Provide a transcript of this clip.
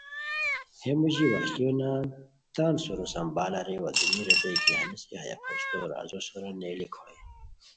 ہے موژی وشلیو نان تان سورو سنبھال اریر وا دونی ریتائے کی ہنیسے ہیہ پھوستو رازو سورا نیلیک ہوئے